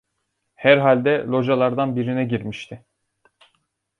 Herhalde localardan birine girmişti.